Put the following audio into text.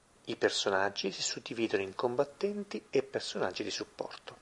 I personaggi si suddividono in Combattenti e Personaggi di Supporto.